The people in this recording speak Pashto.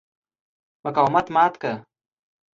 مقاومت مات کړ.